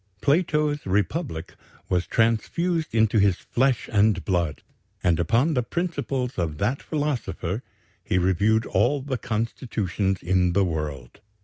Plato's Republic was transfused into his flesh and blood, and upon the principles of that philosopher he reviewed all the constitutions in the world.